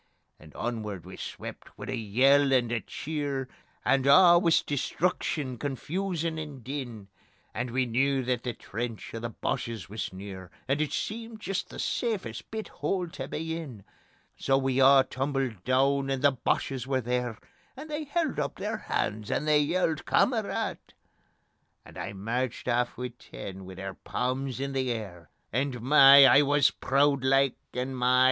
And onward we swept wi' a yell and a cheer, And a' wis destruction, confusion and din, And we knew that the trench o' the Boches wis near, And it seemed jist the safest bit hole tae be in. So we a' tumbled doon, and the Boches were there, And they held up their hands, and they yelled: "Kamarad!" And I merched aff wi' ten, wi' their palms in the air, And my! I wis prood like, and my!